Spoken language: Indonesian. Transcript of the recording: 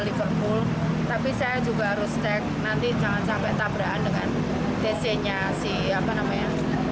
liverpool tapi saya juga harus cek nanti jangan sampai tabraan dengan dc nya si apa namanya